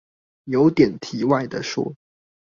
有點題外的說